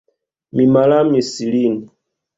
Mi malamis lin.